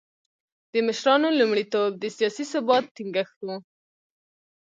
د مشرانو لومړیتوب د سیاسي ثبات ټینګښت و.